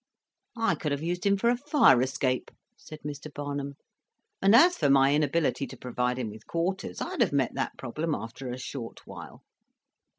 "I could have used him for a fire escape," said Mr. Barnum; "and as for my inability to provide him with quarters, I'd have met that problem after a short while.